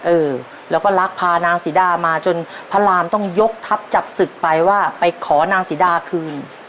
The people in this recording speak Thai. เออแล้วก็รักพานางศรีดามาจนพระรามต้องยกทัพจับศึกไปว่าไปขอนางศรีดาคืน